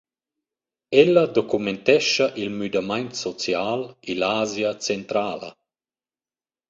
Ella documentescha il müdamaint social illa’Asia centrala.